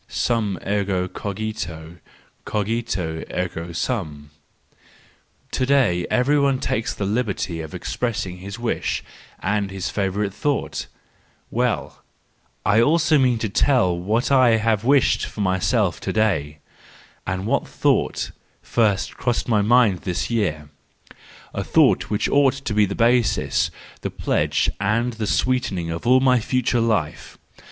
Sum , ergo cogito: cogito, ergo sum . To day everyone takes the liberty of expressing his wish and his favourite thought: well, I also mean to tell what I have wished for myself to day, and what thought first crossed my mind this year,—a thought which ought to be the basis, the pledge and the sweetening of all my future life!